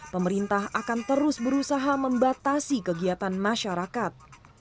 pemerintah akan terus berusaha membatasi kegiatan masyarakat